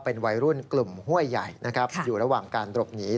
เป็นวัยรุ่นกลุ่มห้วยใหญ่นะครับอยู่ระหว่างการหลบหนี